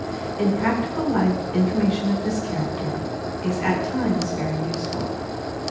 In practical life information of this character is. at times, very useful.